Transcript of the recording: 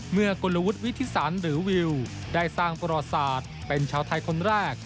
กลวุฒิวิทธิสันหรือวิวได้สร้างประวัติศาสตร์เป็นชาวไทยคนแรก